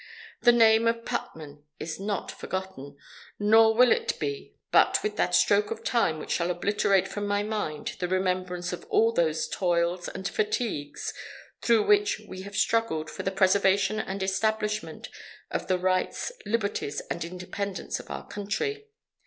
the name of Putnam is not forgotten, nor will it be but with that stroke of time which shall obliterate from my mind the remembrance of all those toils and fatigues through which we have struggled for the preservation and establishment of the Rights, Liberties, and Independence of our Country....